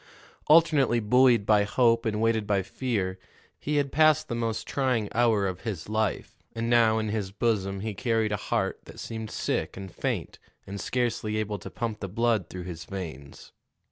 Alternately buoyed by hope and weighted by fear, he had passed the most trying hour of his life, and now in his bosom he carried a heart that seemed sick and faint and scarcely able to pump the blood through his veins.